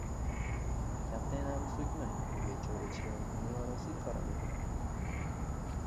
— Katta, enamni so‘kmang. U bechora ichkarida nevarasiga qarab o‘tiribdi.